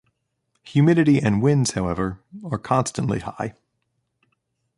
Humidity and winds, however, are constantly high.